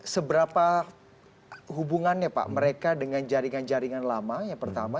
seberapa hubungannya pak mereka dengan jaringan lama yang pertamanya